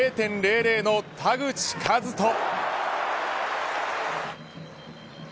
０．００の田口麗斗。